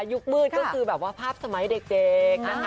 ยุคมืดก็คือภาพสมัยเด็ก